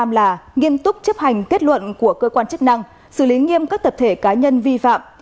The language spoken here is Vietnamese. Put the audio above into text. bảo hiểm xã hội việt nam là nghiên túc chấp hành kết luận của cơ quan chức năng xử lý nghiêm các tập thể cá nhân vi phạm